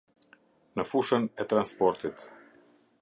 Në fushën e transportit.